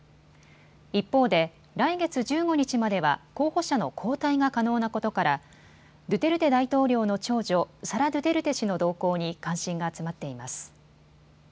一方で来月１５日までは候補者の交代が可能なことからドゥテルテ大統領の長女サラ・ドゥテルテ氏の動向に関心が集まっています。